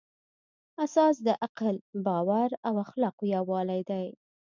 اساس د عقل، باور او اخلاقو یووالی دی.